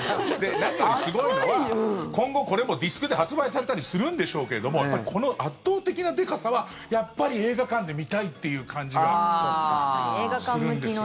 何よりすごいのは今後、これもディスクで発売されたりするんでしょうけどこの圧倒的なでかさはやっぱり映画館で見たいという感じがするんですよね。